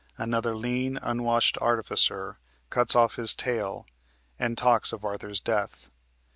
Another lean, unwashed artificer, Cuts off his tale, and talks of Arthur's death."